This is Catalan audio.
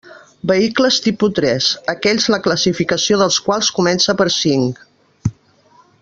Vehicles tipus tres: aquells la classificació dels quals comence per cinc.